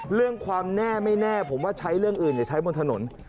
เรื่องความแน่ไม่แน่ผมว่าใช้เรื่องอื่นอย่าใช้บนถนน